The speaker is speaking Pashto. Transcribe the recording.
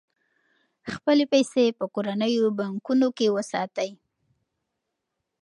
خپلې پيسې په کورنیو بانکونو کې وساتئ.